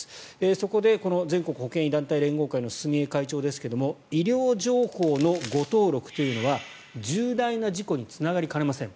そこで、この全国保険医団体連合会の住江会長ですが医療情報の誤登録というのは重大な事故につながりかねません。